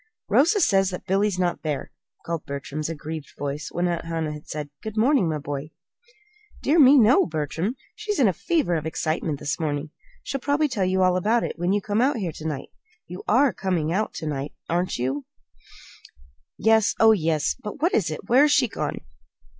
"Rosa says that Billy's not there," called Bertram's aggrieved voice, when Aunt Hannah had said, "Good morning, my boy." "Dear me, no, Bertram. She's in a fever of excitement this morning. She'll probably tell you all about it when you come out here to night. You are coming out to night, aren't you?" "Yes; oh, yes! But what is it? Where's she gone?"